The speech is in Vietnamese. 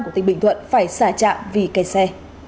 của tỉnh bình thuận phải xả trạm vì cây xe